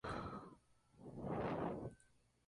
Al año siguiente se casó con Julia Murcia.